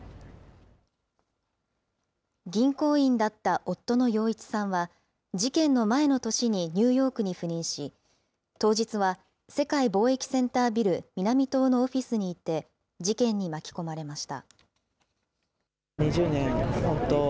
銀行員だった夫の陽一さんは、事件の前の年にニューヨークに赴任し、当日は世界貿易センタービル南棟のオフィスにいて事件に巻き込まれました。